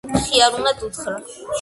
მხიარულად უთხრა: